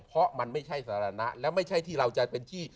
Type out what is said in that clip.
เพราะมันไม่ใช่สาระแล้วไม่ใช่ที่เราจะเป็นที่